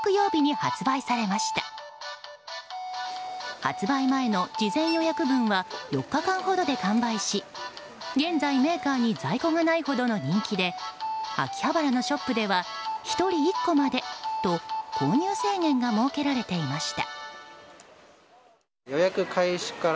発売前の事前予約分は４日間ほどで完売し現在メーカーに在庫がないほどの人気で秋葉原のショップでは１人１個までと購入制限が設けられていました。